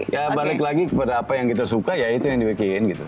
ya balik lagi kepada apa yang kita suka ya itu yang dibikin gitu